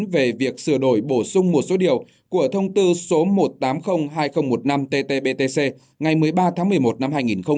về việc sửa đổi bổ sung một số điều của thông tư số một triệu tám trăm linh hai nghìn một mươi năm ttbtc ngày một mươi ba tháng một mươi một năm hai nghìn một mươi năm